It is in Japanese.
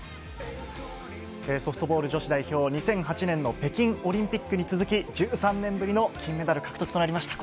ソフトボール女子代表、２００８年の北京オリンピックに続き、１３年ぶりの金メダル獲得となりました。